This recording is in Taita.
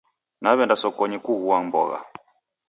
Naw'eghenda sokonyi kughua mbogha